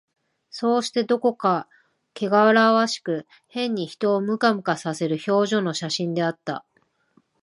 そうして、どこかけがらわしく、変に人をムカムカさせる表情の写真であった